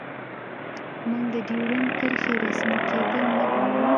موږ د ډیورنډ کرښې رسمي کیدل نه غواړو